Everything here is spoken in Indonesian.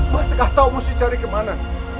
mas nggak tahu mau cari ke mana